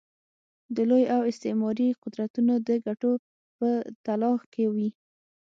د لوی او استعماري قدرتونه د ګټو په تلاښ کې وي.